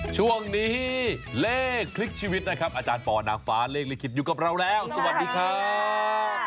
ช่วงนี้เลขคลิกชีวิตนะครับอาจารย์ปอนางฟ้าเลขลิขิตอยู่กับเราแล้วสวัสดีครับ